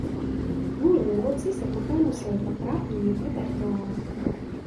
Kvůli nemoci se poté musel dvakrát měnit repertoár.